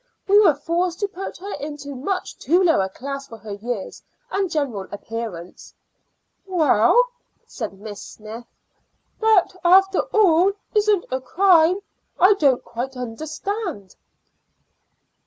We were forced to put her into much too low a class for her years and general appearance." "Well," said Miss Smyth, "that, after all, isn't a crime. I don't quite understand."